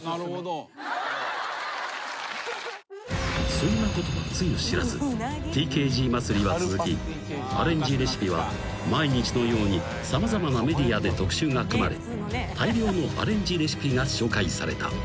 ［そんなことはつゆ知らずＴＫＧ祭りは続きアレンジレシピは毎日のように様々なメディアで特集が組まれ大量のアレンジレシピが紹介された］